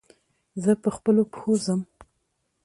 زه به پخپلو پښو ځم.